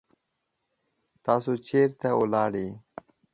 تاسو چیرې ولاړی؟